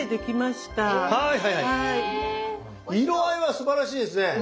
色合いはすばらしいですね。